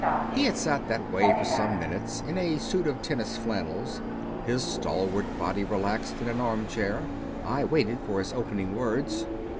He had sat that way for some minutes, in a suit of tennis flannels, his stalwart body relaxed in an armchair. I waited for his opening words.